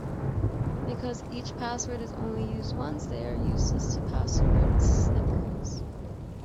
Because each password is only used once, they are useless to password sniffers.